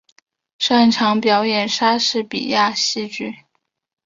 擅长表演莎士比亚戏剧。